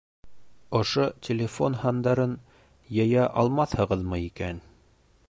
Ошо телефон һандарын йыя алмаҫһығыҙмы икән?